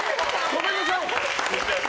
ごめんなさい！